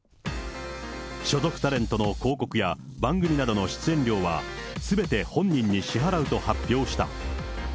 所属タレントの広告や番組などの出演料は、すべて本人に支払うと発表した。